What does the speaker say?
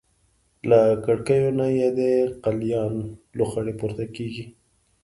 له کړکیو نه یې د قلیان لوخړې پورته کېږي.